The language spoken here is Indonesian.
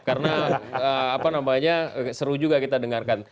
karena apa namanya seru juga kita dengarkan